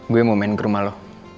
gue mau main ke rumah loh